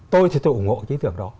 tôi thì tôi ủng hộ cái ý tưởng đó